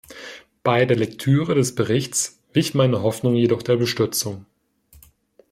Bei der Lektüre des Berichts wich meine Hoffnung jedoch der Bestürzung.